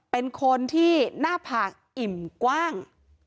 เป็นคนที่หน้าผากอิ่มกว้าง